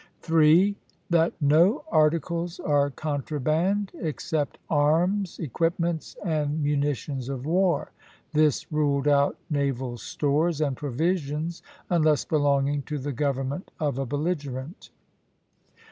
3. That no articles are contraband, except arms, equipments, and munitions of war. This ruled out naval stores and provisions unless belonging to the government of a belligerent.